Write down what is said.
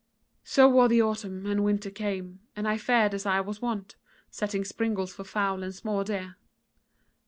"So wore the autumn, and winter came, and I fared as I was wont, setting springes for fowl and small deer.